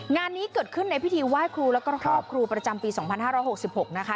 งานนี้เกิดขึ้นในพิธีไหว้ครูแล้วก็ครอบครูประจำปี๒๕๖๖นะคะ